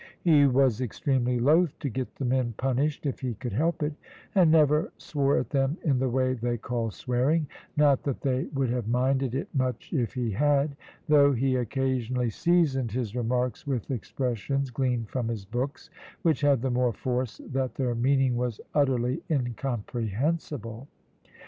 He was extremely loath to get the men punished if he could help it, and never swore at them in the way they called swearing not that they would have minded it much if he had though he occasionally seasoned his remarks with expressions gleaned from his books, which had the more force that their meaning was utterly incomprehensible.